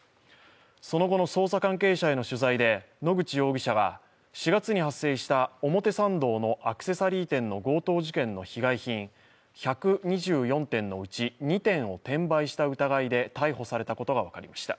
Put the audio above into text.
その後の捜査関係者への取材で野口容疑者は４月に発生した表参道のアクセサリー店の強盗事件の被害品１２４点のうち２点を転売した疑いで逮捕されたことが分かりました。